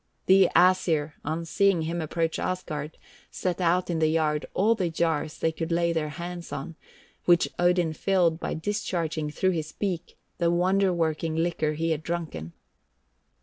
The Æsir, on seeing him approach Asgard, set out in the yard all the jars they could lay their hands on, which Odin filled by discharging through his beak the wonder working liquor he had drunken.